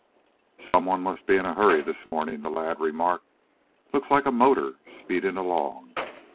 "Some one must be in a hurry this morning," the lad remarked, "Looks like a motor speeding along.